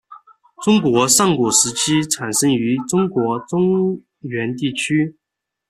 中国上古时期产生于中国中原地区。